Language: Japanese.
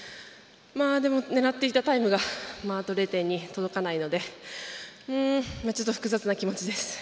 でも、狙っていたタイムがあと０．２届かないのでちょっと複雑な気持ちです。